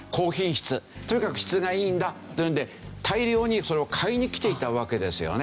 とにかく質がいいんだというんで大量にそれを買いに来ていたわけですよね。